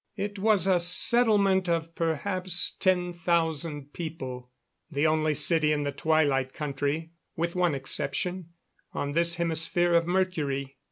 It was a settlement of perhaps ten thousand people, the only city in the Twilight Country, with one exception, on this hemisphere of Mercury.